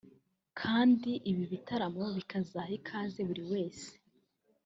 kandi ibi bitaramo bikazaha ikaze buri wese